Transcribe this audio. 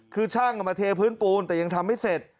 คือช่างเอามาเทพื้นปูนแต่ยังทำไม่เสร็จ